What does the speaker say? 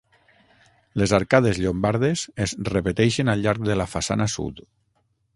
Les arcades llombardes es repeteixen al llarg de la façana sud.